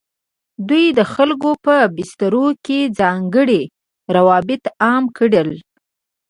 دوی د خلکو په بسترو کې ځانګړي روابط عام کړل.